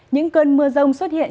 những cơn mưa rông xuất hiện